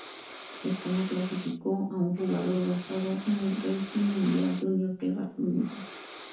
España clasificó a un jugador basado en el ranking mundial junior de bádminton.